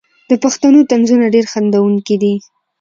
د پښتنو طنزونه ډیر خندونکي دي.